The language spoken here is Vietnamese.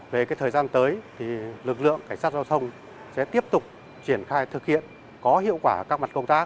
về thời gian tới thì lực lượng cảnh sát giao thông sẽ tiếp tục triển khai thực hiện có hiệu quả các mặt công tác